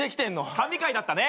神回だったね。